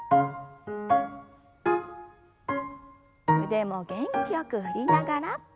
腕も元気よく振りながら。